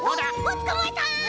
つかまえた！